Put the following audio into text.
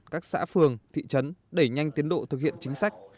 các xã phường thị trấn đẩy nhanh tiến độ thực hiện chính sách